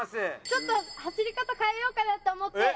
ちょっと走り方変えようかなと思って。